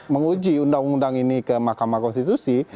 menguji undang undang ini ke mahkamah konstitusi